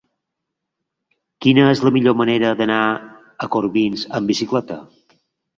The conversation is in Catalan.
Quina és la millor manera d'anar a Corbins amb bicicleta?